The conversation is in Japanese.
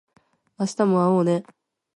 明日も会おうね